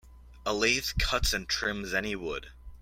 A lathe cuts and trims any wood.